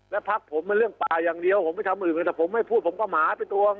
และพักผมเป็นเรื่องกลายอย่างเดียวผมไม่ทำเอวยีวแต่ผมไม่พูดผมก็หมาไปตวง